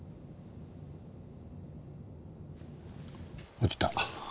落ちた。